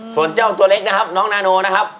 ส่วนเจ้าตัวเล็กนะครับน้องนาโนนะครับ